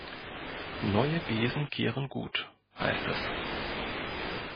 Neue Besen kehren gut, heißt es.